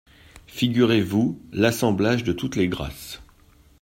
Figurez-vous l’assemblage de toutes les grâces…